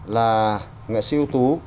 là nghệ sĩ ưu tú